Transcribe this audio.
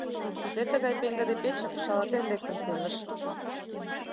Кузе тыгай пеҥгыде печым шалатен лектын сеҥыш?